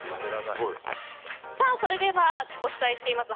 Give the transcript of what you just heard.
それではお伝えしています